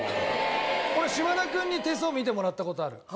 俺島田君に手相見てもらった事ある。